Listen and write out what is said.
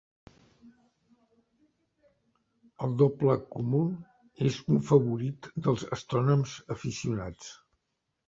El Doble Cúmul és un favorit dels astrònoms aficionats.